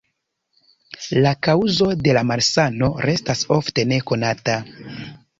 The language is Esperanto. La kaŭzo de la malsano restas ofte nekonata.